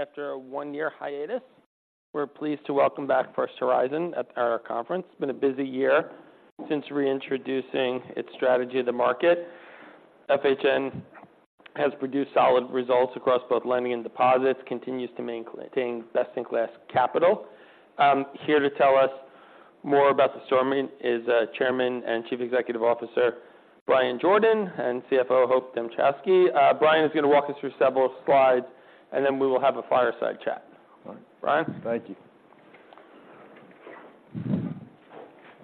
After a one-year hiatus, we're pleased to welcome back First Horizon at our conference. Been a busy year since reintroducing its strategy to the market. FHN has produced solid results across both lending and deposits, continues to maintain best-in-class capital. Here to tell us more about the story is, Chairman and Chief Executive Officer, Bryan Jordan, and CFO, Hope Dmuchowski. Bryan is going to walk us through several slides, and then we will have a fireside chat. Bryan? Thank you.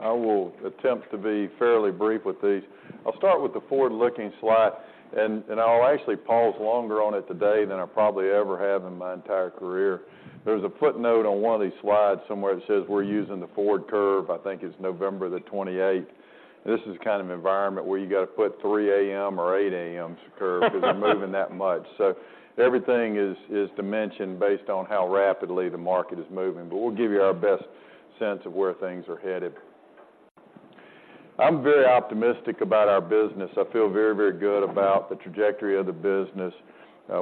I will attempt to be fairly brief with these. I'll start with the forward-looking slide, and, and I'll actually pause longer on it today than I probably ever have in my entire career. There's a footnote on one of these slides somewhere that says we're using the forward curve, I think it's November 28. This is the kind of environment where you got to put 3 A.M. or 8 A.M.'s curve - because we're moving that much. So everything is, is dimension based on how rapidly the market is moving, but we'll give you our best sense of where things are headed. I'm very optimistic about our business. I feel very, very good about the trajectory of the business.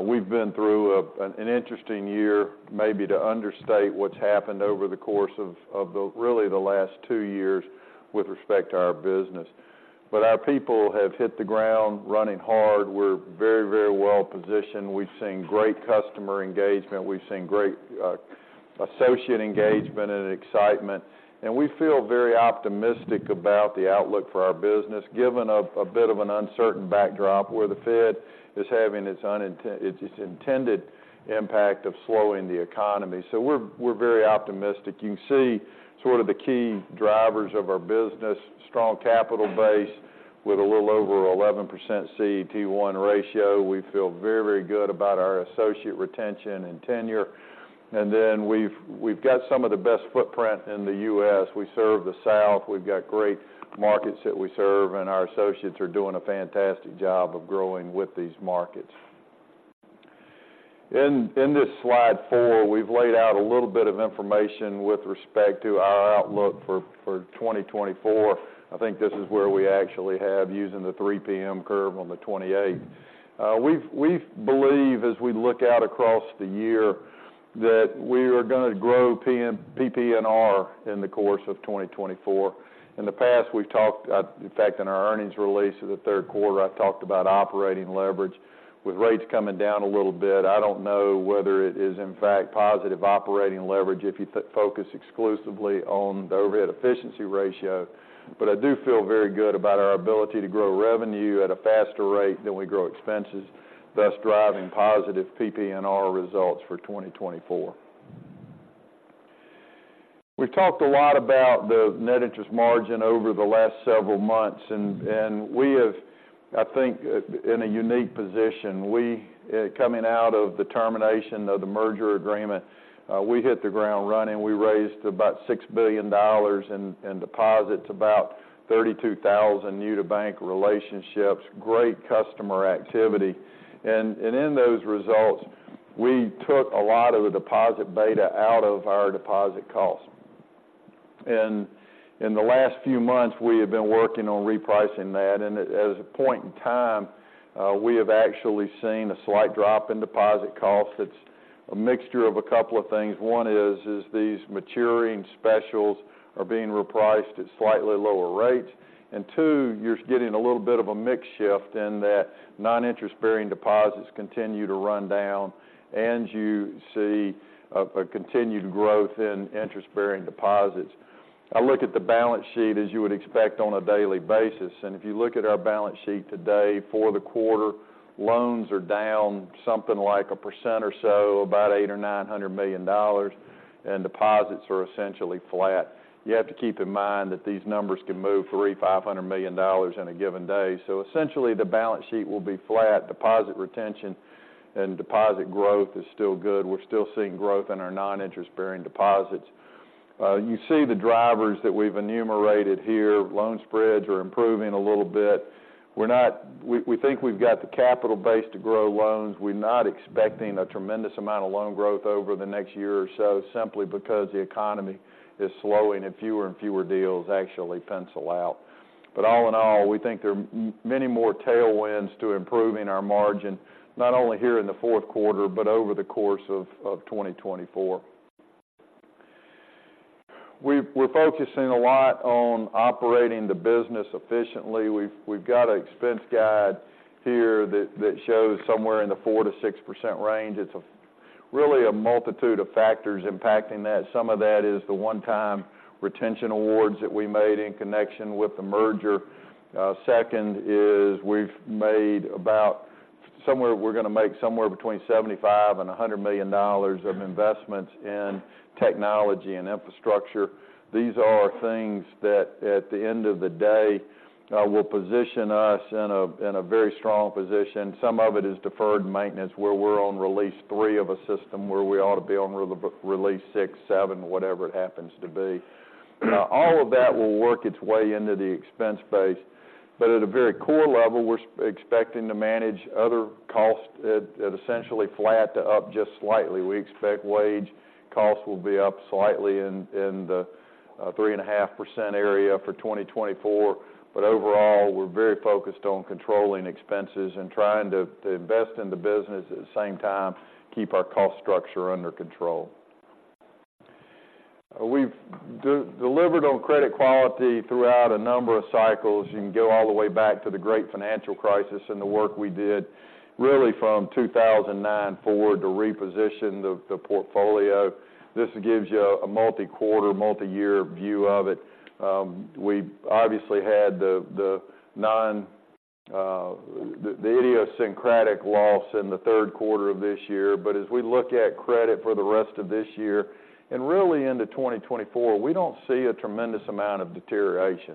We've been through an interesting year, maybe to understate what's happened over the course of really the last two years with respect to our business. But our people have hit the ground running hard. We're very, very well positioned. We've seen great customer engagement. We've seen great associate engagement and excitement, and we feel very optimistic about the outlook for our business, given a bit of an uncertain backdrop where the Fed is having its intended impact of slowing the economy. So we're very optimistic. You can see sort of the key drivers of our business, strong capital base with a little over 11% CET1 ratio. We feel very, very good about our associate retention and tenure, and then we've got some of the best footprint in the U.S. We serve the South. We've got great markets that we serve, and our associates are doing a fantastic job of growing with these markets. In this slide four, we've laid out a little bit of information with respect to our outlook for 2024. I think this is where we actually have using the 3 p.m. curve on the 28th. We've, we believe, as we look out across the year, that we are going to grow PPNR in the course of 2024. In the past, we've talked, in fact, in our earnings release of the third quarter, I talked about operating leverage. With rates coming down a little bit, I don't know whether it is, in fact, positive operating leverage if you focus exclusively on the overhead efficiency ratio, but I do feel very good about our ability to grow revenue at a faster rate than we grow expenses, thus driving positive PPNR results for 2024. We've talked a lot about the net interest margin over the last several months, and we have, I think, in a unique position. We coming out of the termination of the merger agreement, we hit the ground running. We raised about $6 billion in deposits, about 32,000 new-to-bank relationships, great customer activity. And in those results, we took a lot of the deposit beta out of our deposit cost. In the last few months, we have been working on repricing that, and as a point in time, we have actually seen a slight drop in deposit costs. It's a mixture of a couple of things. One is, is these maturing specials are being repriced at slightly lower rates. And two, you're getting a little bit of a mix shift in that non-interest-bearing deposits continue to run down, and you see, a continued growth in interest-bearing deposits. I look at the balance sheet as you would expect on a daily basis, and if you look at our balance sheet today for the quarter, loans are down something like 1% or so, about $800 million-$900 million, and deposits are essentially flat. You have to keep in mind that these numbers can move $300 million-$500 million in a given day. So essentially, the balance sheet will be flat. Deposit retention and deposit growth is still good. We're still seeing growth in our non-interest-bearing deposits. You see the drivers that we've enumerated here. Loan spreads are improving a little bit. We're not we think we've got the capital base to grow loans. We're not expecting a tremendous amount of loan growth over the next year or so, simply because the economy is slowing and fewer and fewer deals actually pencil out. But all in all, we think there are many more tailwinds to improving our margin, not only here in the fourth quarter, but over the course of 2024. We're focusing a lot on operating the business efficiently. We've got an expense guide here that shows somewhere in the 4%-6% range. It's really a multitude of factors impacting that. Some of that is the one-time retention awards that we made in connection with the merger. Second is we're going to make somewhere between $75 million and $100 million of investments in technology and infrastructure. These are things that, at the end of the day, will position us in a very strong position. Some of it is deferred maintenance, where we're on release three of a system where we ought to be on release six, seven, whatever it happens to be. All of that will work its way into the expense base, but at a very core level, we're expecting to manage other costs at essentially flat to up just slightly. We expect wage costs will be up slightly in the 3.5% area for 2024. But overall, we're very focused on controlling expenses and trying to invest in the business, at the same time, keep our cost structure under control. We've delivered on credit quality throughout a number of cycles. You can go all the way back to the great financial crisis and the work we did really from 2009 forward to reposition the portfolio. This gives you a multi-quarter, multi-year view of it. We obviously had the idiosyncratic loss in the third quarter of this year, but as we look at credit for the rest of this year, and really into 2024, we don't see a tremendous amount of deterioration.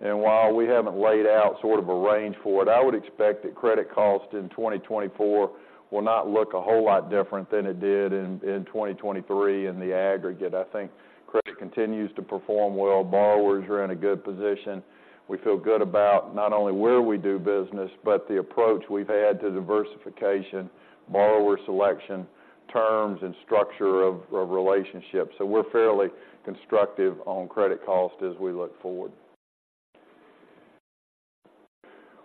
While we haven't laid out sort of a range for it, I would expect that credit cost in 2024 will not look a whole lot different than it did in 2023 in the aggregate. I think credit continues to perform well. Borrowers are in a good position. We feel good about not only where we do business, but the approach we've had to diversification, borrower selection, terms, and structure of relationships. So we're fairly constructive on credit cost as we look forward.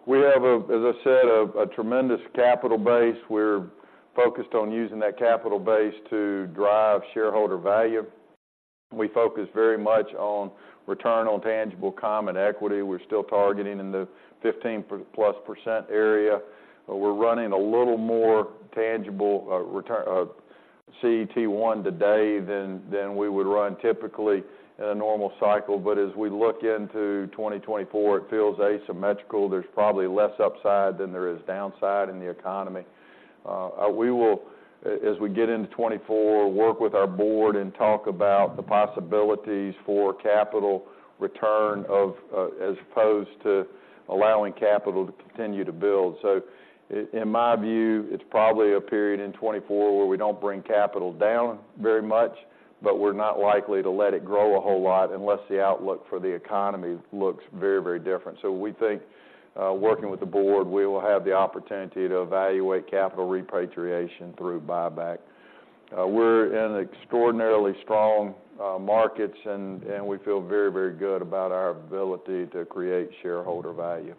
We have, as I said, a tremendous capital base. We're focused on using that capital base to drive shareholder value. We focus very much on return on tangible common equity. We're still targeting in the 15%+ area, but we're running a little more tangible return CET1 today than we would run typically in a normal cycle. But as we look into 2024, it feels asymmetrical. There's probably less upside than there is downside in the economy. We will, as we get into 2024, work with our board and talk about the possibilities for capital return as opposed to allowing capital to continue to build. So in my view, it's probably a period in 2024 where we don't bring capital down very much, but we're not likely to let it grow a whole lot unless the outlook for the economy looks very, very different. So we think, working with the board, we will have the opportunity to evaluate capital repatriation through buyback. We're in extraordinarily strong markets, and we feel very, very good about our ability to create shareholder value.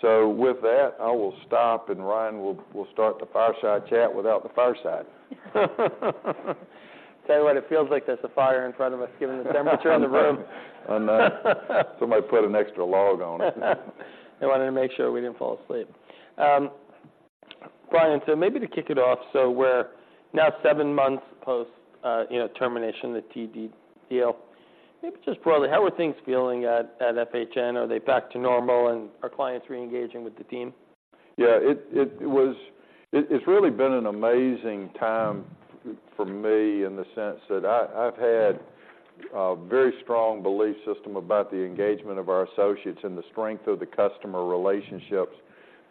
So with that, I will stop, and Bryan will start the fireside chat without the fireside. Tell you what, it feels like there's a fire in front of us, given the temperature in the room. I know. Somebody put an extra log on it. They wanted to make sure we didn't fall asleep. Bryan, so maybe to kick it off, so we're now seven months post, you know, termination, the TD deal. Maybe just broadly, how are things feeling at FHN? Are they back to normal, and are clients reengaging with the team? Yeah, it was—it's really been an amazing time for me in the sense that I've had a very strong belief system about the engagement of our associates and the strength of the customer relationships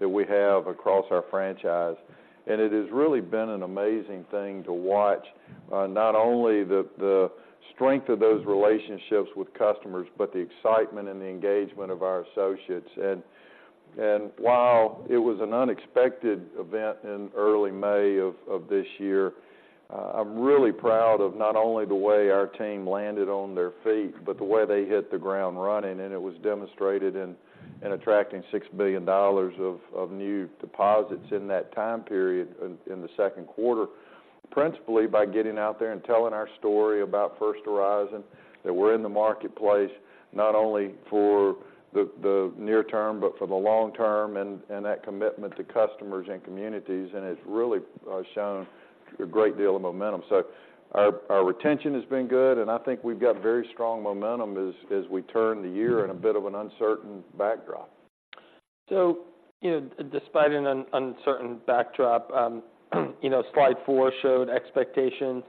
that we have across our franchise. It has really been an amazing thing to watch, not only the strength of those relationships with customers, but the excitement and the engagement of our associates. And while it was an unexpected event in early May of this year, I'm really proud of not only the way our team landed on their feet, but the way they hit the ground running. It was demonstrated in attracting $6 billion of new deposits in that time period in the second quarter, principally by getting out there and telling our story about First Horizon, that we're in the marketplace not only for the near term, but for the long term, and that commitment to customers and communities, and it's really shown a great deal of momentum. So our retention has been good, and I think we've got very strong momentum as we turn the year in a bit of an uncertain backdrop. So, you know, despite an uncertain backdrop, you know, slide four showed expectations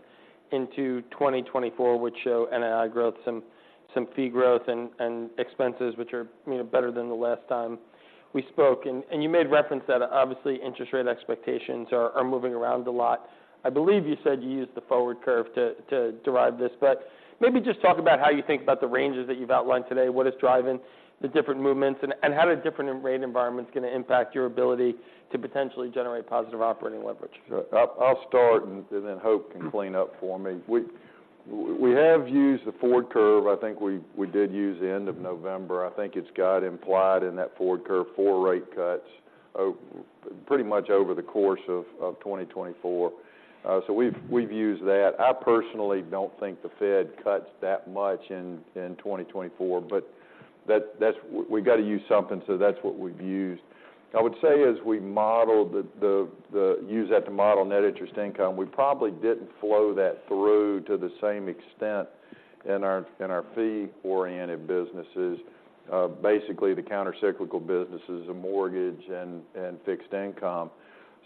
into 2024, which show NII growth, some fee growth and expenses which are, you know, better than the last time we spoke. You made reference that obviously interest rate expectations are moving around a lot. I believe you said you used the forward curve to derive this, but maybe just talk about how you think about the ranges that you've outlined today. What is driving the different movements? How are the different rate environments going to impact your ability to potentially generate positive operating leverage? Sure. I'll start, and then Hope can clean up for me. We have used the forward curve. I think we did use the end of November. I think it's got implied in that forward curve, four rate cuts, pretty much over the course of 2024. So we've used that. I personally don't think the Fed cuts that much in 2024, but that's. We've got to use something, so that's what we've used. I would say, as we model the use that to model net interest income, we probably didn't flow that through to the same extent in our fee-oriented businesses, basically, the countercyclical businesses of mortgage and fixed income.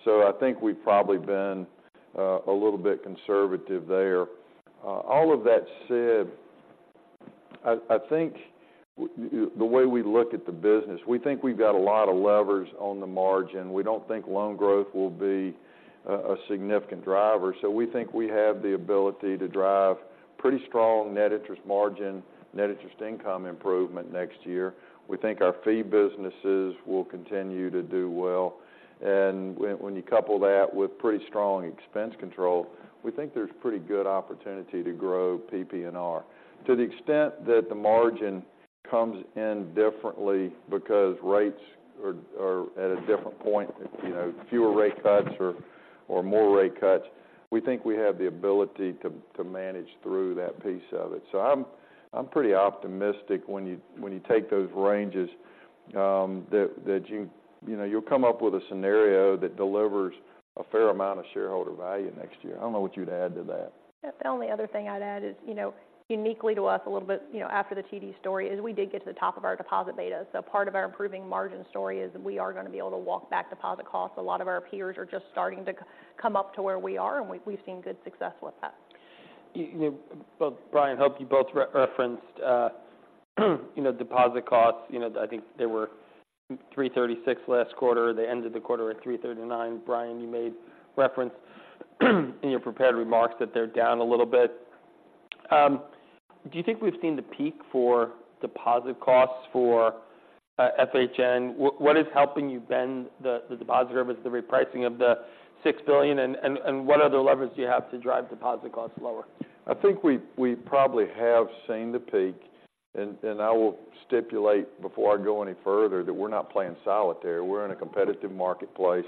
So I think we've probably been a little bit conservative there. All of that said, I think the way we look at the business, we think we've got a lot of levers on the margin. We don't think loan growth will be a significant driver. So we think we have the ability to drive pretty strong net interest margin, net interest income improvement next year. We think our fee businesses will continue to do well, and when you couple that with pretty strong expense control, we think there's pretty good opportunity to grow PPNR. To the extent that the margin comes in differently because rates are at a different point, you know, fewer rate cuts or more rate cuts. We think we have the ability to manage through that piece of it. So I'm pretty optimistic when you take those ranges, that you know, you'll come up with a scenario that delivers a fair amount of shareholder value next year. I don't know what you'd add to that. The only other thing I'd add is, you know, uniquely to us, a little bit, you know, after the TD story, is we did get to the top of our deposit beta. So part of our improving margin story is that we are gonna be able to walk back deposit costs. A lot of our peers are just starting to come up to where we are, and we, we've seen good success with that. You both Bryan, Hope, you both referenced, you know, deposit costs. You know, I think they were 3.36 last quarter. They ended the quarter at 3.39. Bryan, you made reference in your prepared remarks that they're down a little bit. Do you think we've seen the peak for deposit costs for FHN? What is helping you bend the deposit curves, the repricing of the $6 billion, and what other levers do you have to drive deposit costs lower? I think we probably have seen the peak, and I will stipulate before I go any further, that we're not playing solitaire. We're in a competitive marketplace,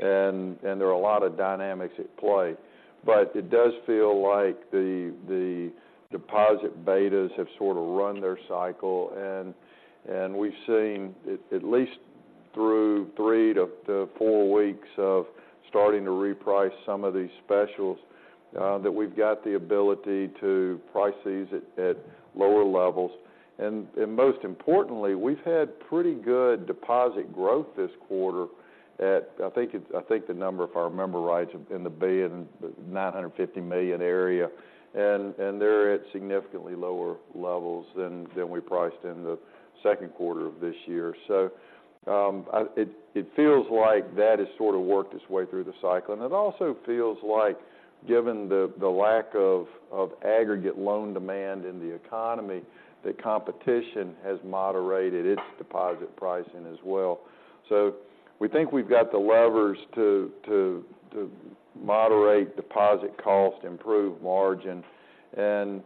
and there are a lot of dynamics at play. But it does feel like the deposit betas have sort of run their cycle and we've seen at least through three to four weeks of starting to reprice some of these specials that we've got the ability to price these at lower levels. And most importantly, we've had pretty good deposit growth this quarter at... I think the number, if I remember right, in the $950 million area, and they're at significantly lower levels than we priced in the second quarter of this year. So it feels like that has sort of worked its way through the cycle. And it also feels like, given the lack of aggregate loan demand in the economy, that competition has moderated its deposit pricing as well. So we think we've got the levers to moderate deposit cost, improve margin, and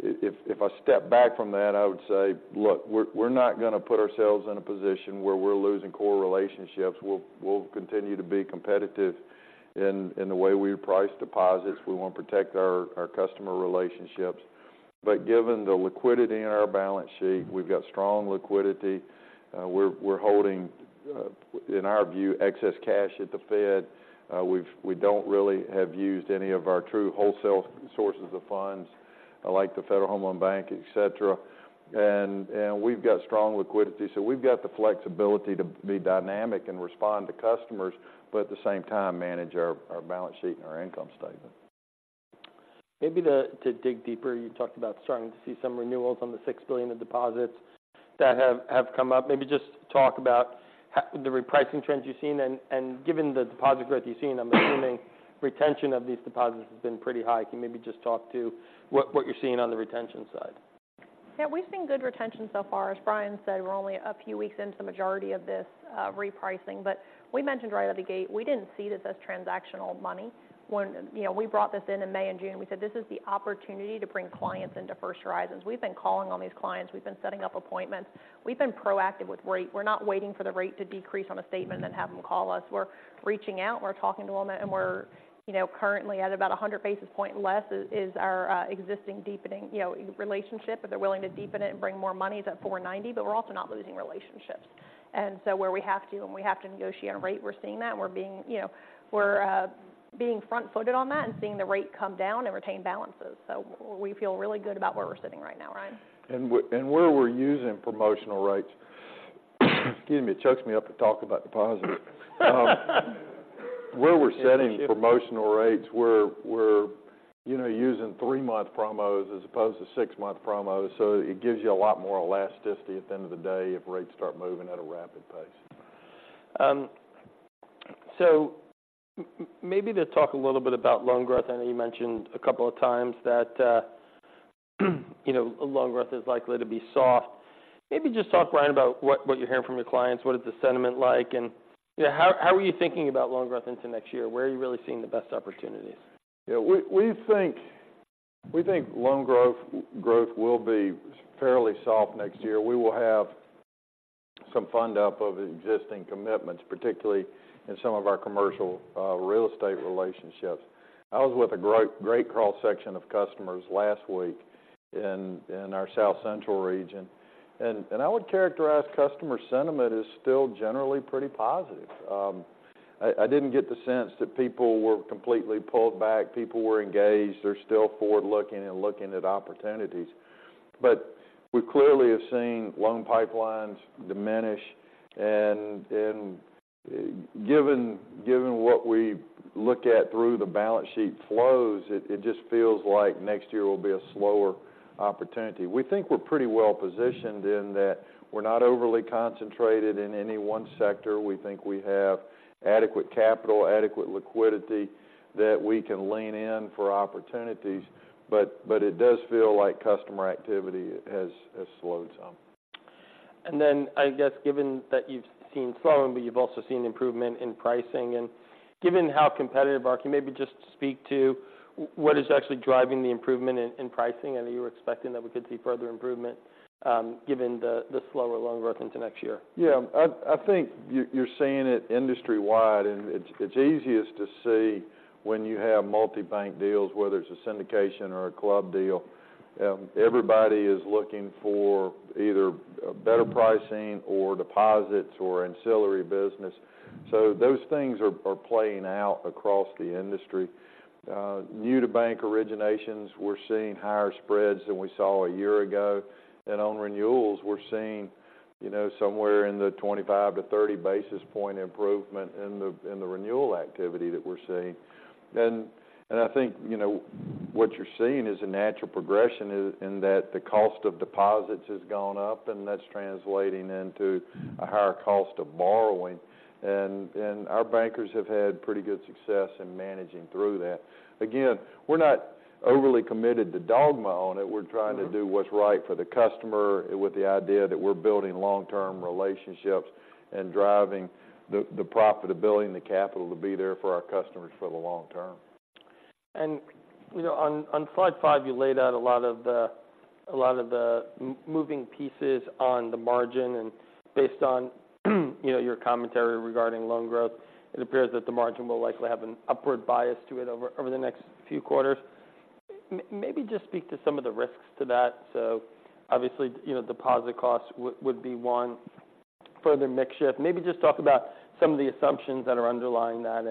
if I step back from that, I would say, "Look, we're not gonna put ourselves in a position where we're losing core relationships. We'll continue to be competitive in the way we price deposits. We want to protect our customer relationships." But given the liquidity in our balance sheet, we've got strong liquidity. We're holding, in our view, excess cash at the Fed. We don't really have used any of our true wholesale sources of funds, like the Federal Home Loan Bank, et cetera. We've got strong liquidity, so we've got the flexibility to be dynamic and respond to customers, but at the same time, manage our balance sheet and our income statement. Maybe to dig deeper, you talked about starting to see some renewals on the $6 billion of deposits that have come up. Maybe just talk about the repricing trends you've seen, and given the deposit growth you've seen, I'm assuming retention of these deposits has been pretty high. Can you maybe just talk to what you're seeing on the retention side? Yeah, we've seen good retention so far. As Bryan said, we're only a few weeks into the majority of this repricing. But we mentioned right out of the gate, we didn't see this as transactional money. When, you know, we brought this in, in May and June, we said, "This is the opportunity to bring clients into First Horizon." We've been calling on these clients. We've been setting up appointments. We've been proactive with rate. We're not waiting for the rate to decrease on a statement, then have them call us. We're reaching out, we're talking to them, and we're, you know, currently at about 100 basis points less, is our existing deepening, you know, relationship. If they're willing to deepen it and bring more money, it's at 4.90, but we're also not losing relationships. And so where we have to negotiate on rate, we're seeing that, and we're being, you know, front-footed on that and seeing the rate come down and retain balances. So we feel really good about where we're sitting right now, Bryan. And where we're using promotional rates, excuse me, it chokes me up to talk about deposits. Where we're setting promotional rates, we're, you know, using three-month promos as opposed to six-month promos, so it gives you a lot more elasticity at the end of the day if rates start moving at a rapid pace. So maybe to talk a little bit about loan growth, I know you mentioned a couple of times that, you know, loan growth is likely to be soft. Maybe just talk, Bryan, about what you're hearing from your clients. What is the sentiment like, and, you know, how are you thinking about loan growth into next year? Where are you really seeing the best opportunities? Yeah, we think loan growth will be fairly soft next year. We will have some fund up of existing commitments, particularly in some of our commercial real estate relationships. I was with a great cross-section of customers last week in our South Central region, and I would characterize customer sentiment as still generally pretty positive. I didn't get the sense that people were completely pulled back. People were engaged. They're still forward-looking and looking at opportunities. But we clearly have seen loan pipelines diminish, and given what we look at through the balance sheet flows, it just feels like next year will be a slower opportunity. We think we're pretty well-positioned in that we're not overly concentrated in any one sector. We think we have adequate capital, adequate liquidity that we can lean in for opportunities, but it does feel like customer activity has slowed some.... And then, I guess, given that you've seen slowing, but you've also seen improvement in pricing, and given how competitive the market, maybe just speak to what is actually driving the improvement in pricing? I know you were expecting that we could see further improvement, given the slower loan growth into next year. Yeah, I think you're seeing it industry-wide, and it's easiest to see when you have multi-bank deals, whether it's a syndication or a club deal. Everybody is looking for either better pricing or deposits or ancillary business. So those things are playing out across the industry. New to bank originations, we're seeing higher spreads than we saw a year ago. And on renewals, we're seeing, you know, somewhere in the 25-30 basis point improvement in the renewal activity that we're seeing. And I think, you know, what you're seeing is a natural progression in that the cost of deposits has gone up, and that's translating into a higher cost of borrowing. And our bankers have had pretty good success in managing through that. Again, we're not overly committed to dogma on it. Mm-hmm. We're trying to do what's right for the customer, with the idea that we're building long-term relationships and driving the profitability and the capital to be there for our customers for the long term. You know, on slide five, you laid out a lot of the moving pieces on the margin, and based on, you know, your commentary regarding loan growth, it appears that the margin will likely have an upward bias to it over the next few quarters. Maybe just speak to some of the risks to that. So obviously, you know, deposit costs would be one, further mix shift. Maybe just talk about some of the assumptions that are underlying that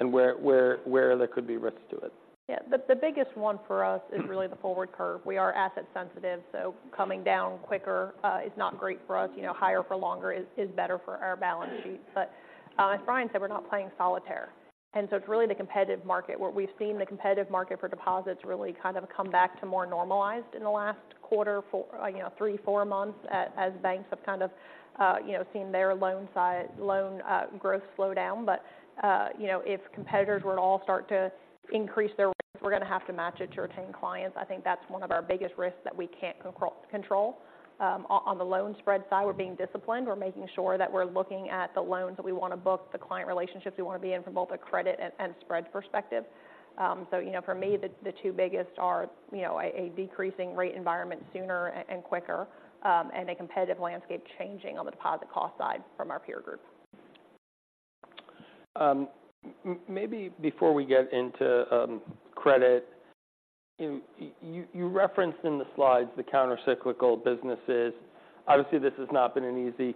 and where there could be risks to it. Yeah. The biggest one for us is really the forward curve. We are asset sensitive, so coming down quicker is not great for us. You know, higher for longer is better for our balance sheet. But as Bryan said, we're not playing solitaire, and so it's really the competitive market, where we've seen the competitive market for deposits really kind of come back to more normalized in the last quarter for, you know, three to four months, as banks have kind of seen their loan growth slow down. But you know, if competitors were to all start to increase their rates, we're going to have to match it to retain clients. I think that's one of our biggest risks that we can't control. On the loan spread side, we're being disciplined. We're making sure that we're looking at the loans that we want to book, the client relationships we want to be in from both a credit and spread perspective. So, you know, for me, the two biggest are, you know, a decreasing rate environment sooner and quicker, and a competitive landscape changing on the deposit cost side from our peer group. Maybe before we get into credit, you referenced in the slides the countercyclical businesses. Obviously, this has not been an easy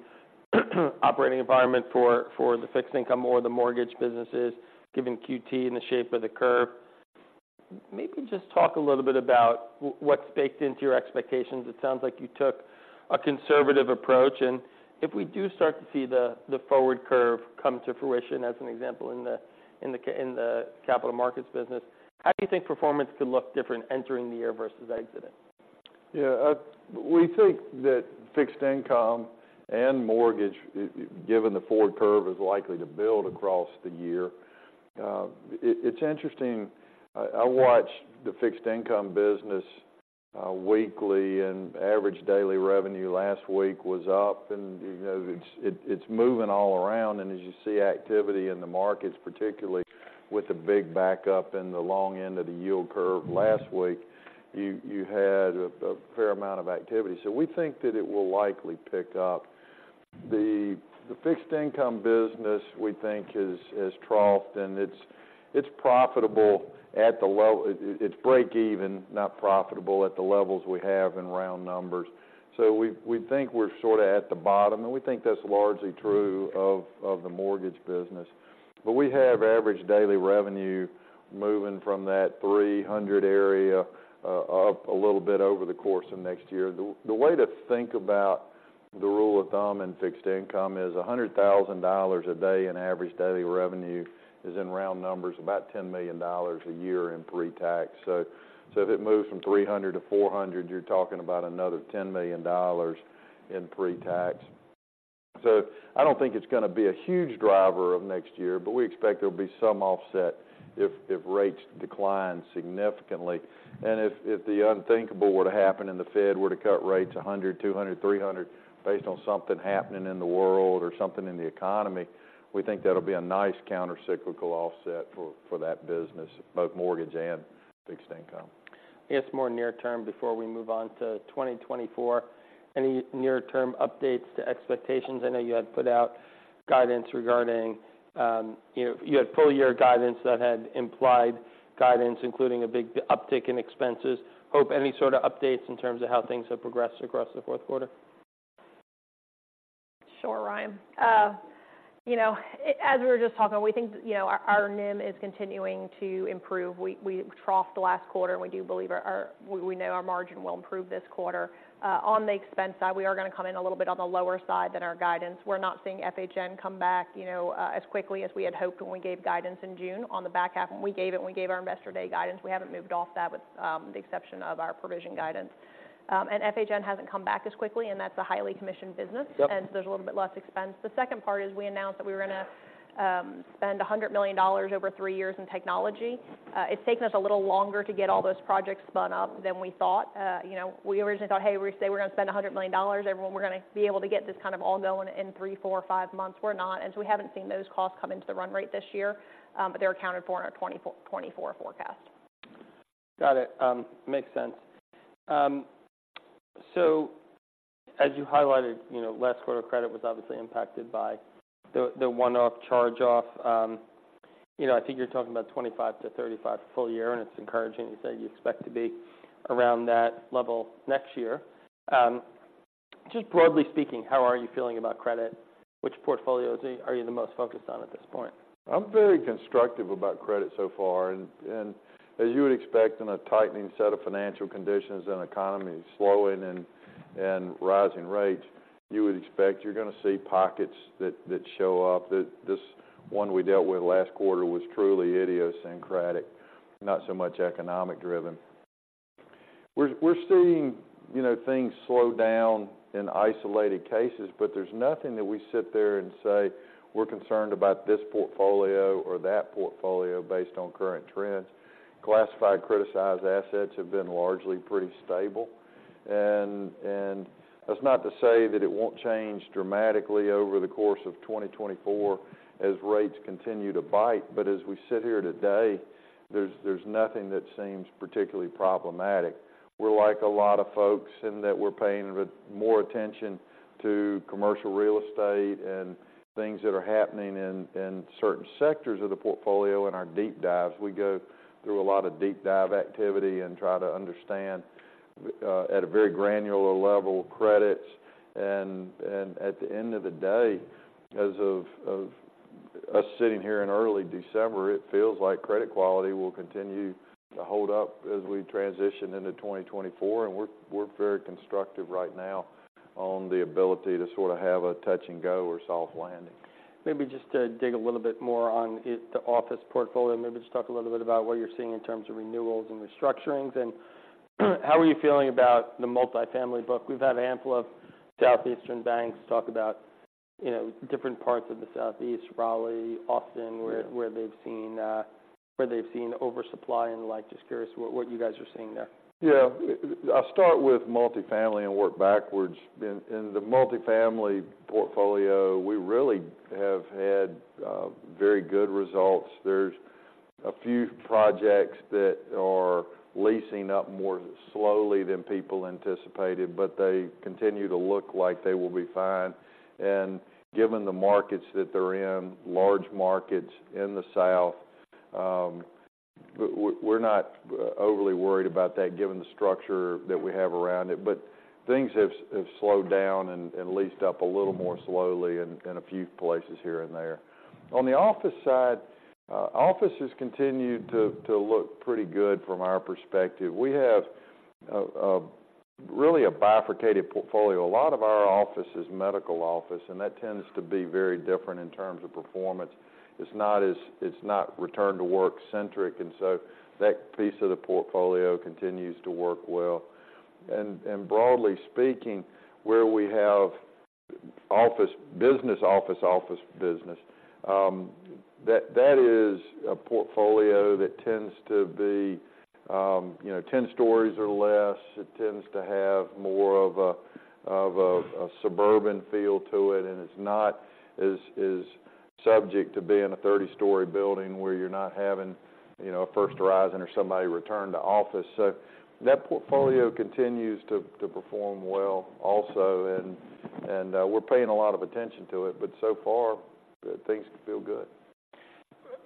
operating environment for the fixed income or the mortgage businesses, given QT and the shape of the curve. Maybe just talk a little bit about what's baked into your expectations. It sounds like you took a conservative approach, and if we do start to see the forward curve come to fruition, as an example, in the capital markets business, how do you think performance could look different entering the year versus exiting? Yeah, we think that fixed income and mortgage, given the forward curve, is likely to build across the year. It's interesting, I watch the fixed income business weekly, and average daily revenue last week was up, and, you know, it's moving all around. And as you see activity in the markets, particularly with the big backup in the long end of the yield curve last week, you had a fair amount of activity. So we think that it will likely pick up. The fixed income business, we think, is troughed, and it's break even, not profitable at the levels we have in round numbers. So we think we're sort of at the bottom, and we think that's largely true of the mortgage business. But we have average daily revenue moving from that 300 area up a little bit over the course of next year. The way to think about the rule of thumb in fixed income is $100,000 a day in average daily revenue is, in round numbers, about $10 million a year in pre-tax. So if it moves from 300 to 400, you're talking about another $10 million in pre-tax. So I don't think it's going to be a huge driver of next year, but we expect there'll be some offset if rates decline significantly. If the unthinkable were to happen and the Fed were to cut rates 100, 200, 300 based on something happening in the world or something in the economy, we think that'll be a nice countercyclical offset for that business, both mortgage and fixed income. I guess, more near term before we move on to 2024, any near-term updates to expectations? I know you had put out guidance regarding, you know, you had full year guidance that had implied guidance, including a big uptick in expenses. Hope, any sort of updates in terms of how things have progressed across the fourth quarter? Sure, Bryan. You know, as we were just talking, we think, you know, our NIM is continuing to improve. We troughed last quarter, and we do believe we know our margin will improve this quarter. On the expense side, we are going to come in a little bit on the lower side than our guidance. We're not seeing FHN come back, you know, as quickly as we had hoped when we gave guidance in June on the back half. When we gave it, when we gave our Investor Day guidance, we haven't moved off that, with the exception of our provision guidance. And FHN hasn't come back as quickly, and that's a highly commissioned business- Yep.... and so there's a little bit less expense. The second part is we announced that we were going to spend $100 million over three years in technology. It's taken us a little longer to get all those projects spun up than we thought. You know, we originally thought, "Hey, we say we're going to spend $100 million, everyone, we're going to be able to get this kind of all going in three, four, or five months." We're not, and so we haven't seen those costs come into the run rate this year, but they're accounted for in our 2024 forecast.... Got it. Makes sense. So as you highlighted, you know, last quarter, credit was obviously impacted by the one-off charge-off. You know, I think you're talking about 25-35 for full year, and it's encouraging that you expect to be around that level next year. Just broadly speaking, how are you feeling about credit? Which portfolios are you the most focused on at this point? I'm very constructive about credit so far, and as you would expect in a tightening set of financial conditions and economy slowing and rising rates, you would expect you're gonna see pockets that show up. That. This one we dealt with last quarter was truly idiosyncratic, not so much economic driven. We're seeing, you know, things slow down in isolated cases, but there's nothing that we sit there and say, we're concerned about this portfolio or that portfolio based on current trends. Classified, criticized assets have been largely pretty stable. And that's not to say that it won't change dramatically over the course of 2024 as rates continue to bite, but as we sit here today, there's nothing that seems particularly problematic. We're like a lot of folks in that we're paying more attention to commercial real estate and things that are happening in certain sectors of the portfolio. In our deep dives, we go through a lot of deep dive activity and try to understand at a very granular level credits. At the end of the day, as of us sitting here in early December, it feels like credit quality will continue to hold up as we transition into 2024, and we're very constructive right now on the ability to sort of have a touch and go or soft landing. Maybe just to dig a little bit more on it, the office portfolio, maybe just talk a little bit about what you're seeing in terms of renewals and restructurings, and how are you feeling about the multifamily book? We've had ample of southeastern banks talk about, you know, different parts of the Southeast, Raleigh, Austin- Yeah.... where they've seen oversupply and the like. Just curious what you guys are seeing there? Yeah. I'll start with multifamily and work backwards. In, in the multifamily portfolio, we really have had very good results. There's a few projects that are leasing up more slowly than people anticipated, but they continue to look like they will be fine. And given the markets that they're in, large markets in the South, we're not overly worried about that given the structure that we have around it. But things have slowed down and leased up a little more slowly in, in a few places here and there. On the office side, office has continued to look pretty good from our perspective. We have really a bifurcated portfolio. A lot of our office is medical office, and that tends to be very different in terms of performance. It's not return to work centric, and so that piece of the portfolio continues to work well. And, and broadly speaking, where we have office, business office, office business, that, that is a portfolio that tends to be, you know, 10 stories or less. It tends to have more of a suburban feel to it, and it's not as subject to being a 30-story building where you're not having, you know, a First Horizon or somebody return to office. So that portfolio continues to perform well also, and, and, we're paying a lot of attention to it. But so far, things feel good.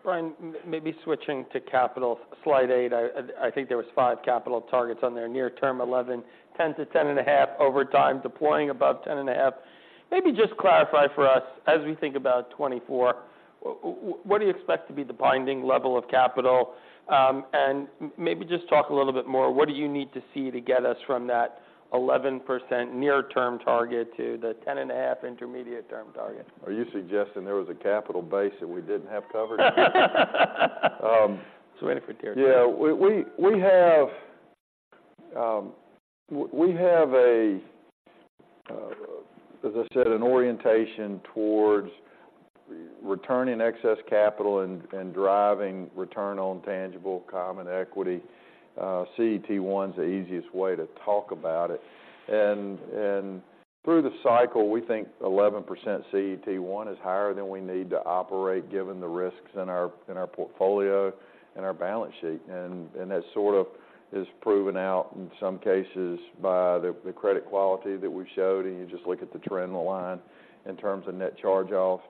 Bryan, maybe switching to capital, slide eight, I think there was five capital targets on there. Near term, 11, 10 to 10.5, over time, deploying above 10.5. Maybe just clarify for us, as we think about 2024, what do you expect to be the binding level of capital? And maybe just talk a little bit more, what do you need to see to get us from that 11% near-term target to the 10.5 intermediate-term target? Are you suggesting there was a capital base that we didn't have covered? So anything here? Yeah, we have, as I said, an orientation towards returning excess capital and driving return on tangible common equity. CET1 is the easiest way to talk about it. And through the cycle, we think 11% CET1 is higher than we need to operate, given the risks in our portfolio and our balance sheet. And that sort of is proven out in some cases by the credit quality that we've showed, and you just look at the trend line in terms of net charge-off.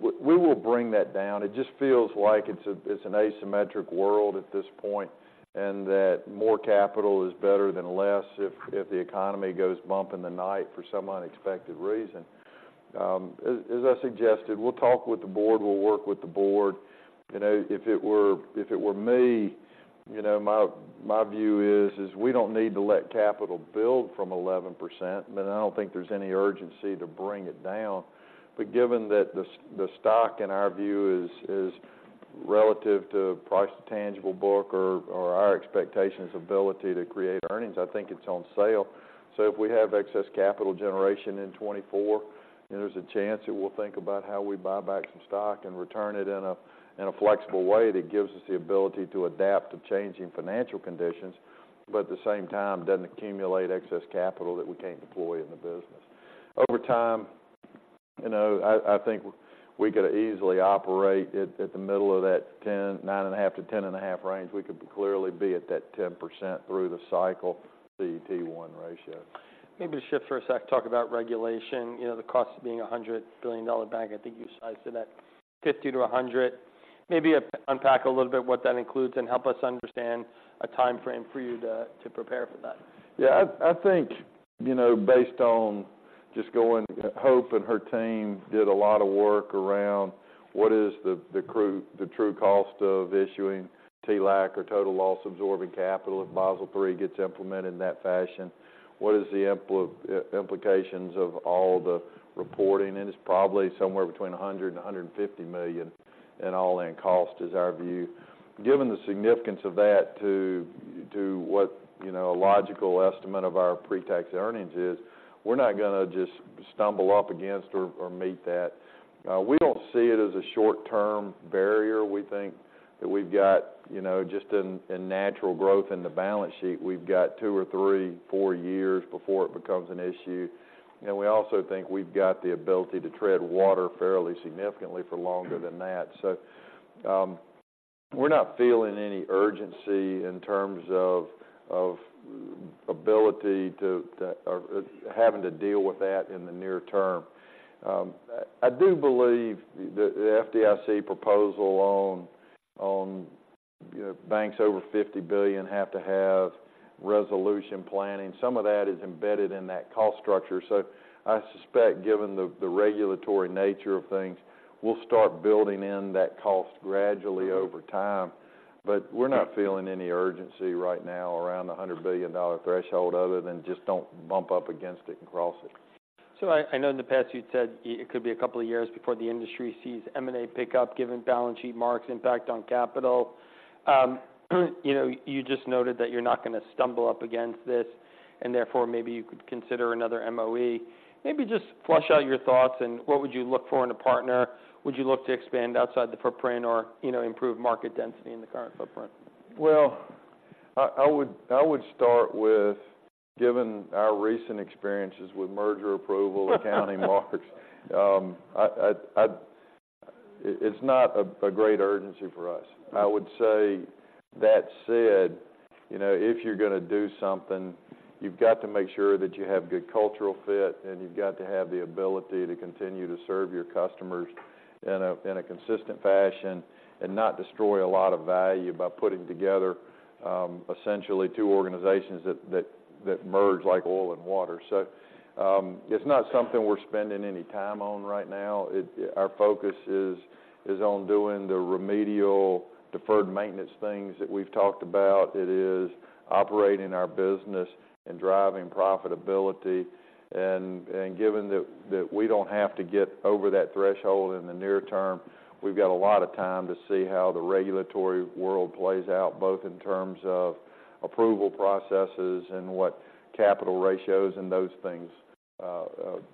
We will bring that down. It just feels like it's an asymmetric world at this point, and that more capital is better than less if the economy goes bump in the night for some unexpected reason. As I suggested, we'll talk with the board, we'll work with the board. You know, if it were me, you know, my view is we don't need to let capital build from 11%, but I don't think there's any urgency to bring it down. But given that the stock, in our view, is relative to price to tangible book or our expectations ability to create earnings, I think it's on sale. So if we have excess capital generation in 2024, there's a chance that we'll think about how we buy back some stock and return it in a flexible way that gives us the ability to adapt to changing financial conditions, but at the same time, doesn't accumulate excess capital that we can't deploy in the business. You know, I think we could easily operate at the middle of that 10, 9.5-10.5 range. We could clearly be at that 10% through the cycle, CET1 ratio. Maybe shift for a sec, talk about regulation. You know, the cost of being a $100 billion bank, I think you sized it at $50-$100. Maybe unpack a little bit what that includes, and help us understand a timeframe for you to prepare for that. Yeah, I think, you know, based on just going, Hope and her team did a lot of work around what is the true cost of issuing TLAC or total loss-absorbing capital, if Basel III gets implemented in that fashion. What is the implications of all the reporting? And it's probably somewhere between $100-$150 million in all-in cost, is our view. Given the significance of that to what, you know, a logical estimate of our pre-tax earnings is, we're not gonna just stumble up against or meet that. We don't see it as a short-term barrier. We think that we've got, you know, just in natural growth in the balance sheet, we've got two or three, four years before it becomes an issue. We also think we've got the ability to tread water fairly significantly for longer than that. So, we're not feeling any urgency in terms of ability to or having to deal with that in the near term. I do believe the FDIC proposal on, you know, banks over $50 billion have to have resolution planning. Some of that is embedded in that cost structure, so I suspect, given the regulatory nature of things, we'll start building in that cost gradually over time. But we're not feeling any urgency right now around the $100 billion threshold, other than just don't bump up against it and cross it. So I know in the past you'd said it could be a couple of years before the industry sees M&A pick up, given balance sheet marks impact on capital. You know, you just noted that you're not gonna stumble up against this, and therefore, maybe you could consider another MOE. Maybe just flesh out your thoughts, and what would you look for in a partner? Would you look to expand outside the footprint or, you know, improve market density in the current footprint? Well, I would start with, given our recent experiences with merger approval-accounting marks, I'd... it's not a great urgency for us. I would say that said, you know, if you're gonna do something, you've got to make sure that you have good cultural fit, and you've got to have the ability to continue to serve your customers in a consistent fashion, and not destroy a lot of value by putting together, essentially two organizations that merge like oil and water. So, it's not something we're spending any time on right now. Our focus is on doing the remedial, deferred maintenance things that we've talked about. It is operating our business and driving profitability. Given that we don't have to get over that threshold in the near term, we've got a lot of time to see how the regulatory world plays out, both in terms of approval processes and what capital ratios and those things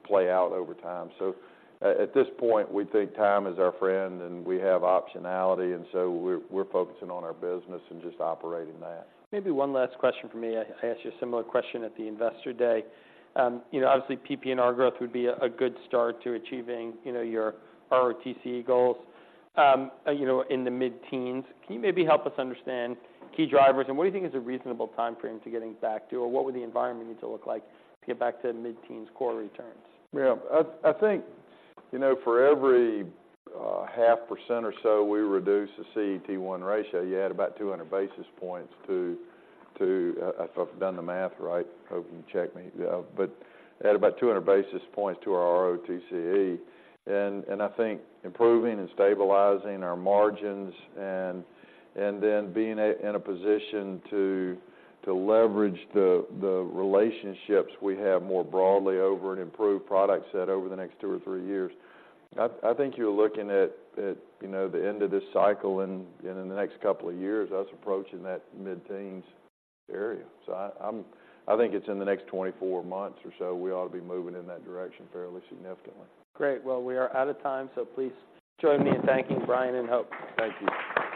play out over time. So at this point, we think time is our friend, and we have optionality, and so we're focusing on our business and just operating that. Maybe one last question from me. I asked you a similar question at the Investor Day. You know, obviously, PPNR growth would be a good start to achieving, you know, your ROTCE goals, you know, in the mid-teens. Can you maybe help us understand key drivers, and what do you think is a reasonable timeframe to getting back to, or what would the environment need to look like to get back to the mid-teens core returns? Yeah. I, I think, you know, for every 0.5% or so we reduce the CET1 ratio, you add about 200 basis points to, to- if I've done the math right, Hope can check me, but at about 200 basis points to our ROTCE. And I think improving and stabilizing our margins and then being in a position to leverage the relationships we have more broadly over an improved product set over the next two or three years. I, I think you're looking at, you know, the end of this cycle and in the next couple of years, us approaching that mid-teens area. So I, I think it's in the next 24 months or so, we ought to be moving in that direction fairly significantly. Great. Well, we are out of time, so please join me in thanking Bryan and Hope. Thank you.